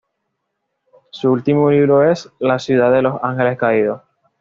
Su último libro es "La ciudad de los ángeles caídos".